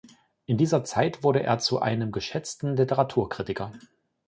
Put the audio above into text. In dieser Zeit wurde er zu einem geschätzten Literaturkritiker.